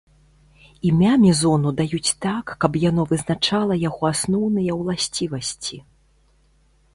Імя мезону даюць так, каб яно вызначала яго асноўныя ўласцівасці.